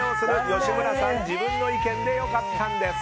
吉村さん、自分の意見でよかったんです。